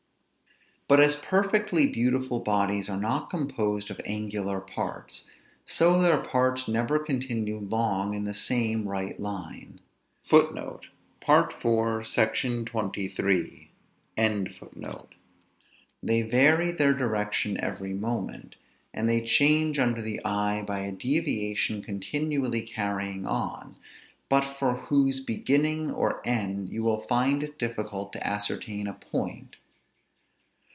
But as perfectly beautiful bodies are not composed of angular parts, so their parts never continue long in the same right line. They vary their direction every moment, and they change under the eye by a deviation continually carrying on, but for whose beginning or end you will find it difficult to ascertain a point.